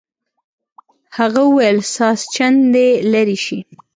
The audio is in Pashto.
هغه وویل ساسچن دې لرې شي.